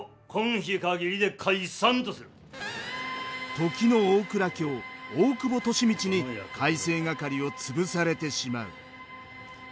時の大蔵卿大久保利通に改正掛を潰されてしまう。